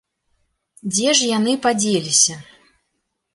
Дзе ж яны падзеліся?